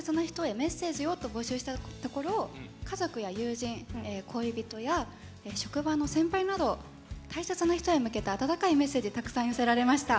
メッセージをと募集したところ家族や友人恋人や職場の先輩など大切な人へ向けた温かいメッセージたくさん寄せられました。